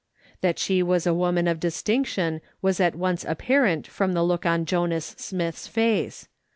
That she was a woman of distinction was at once apparent from the look on Jonas Smith's face.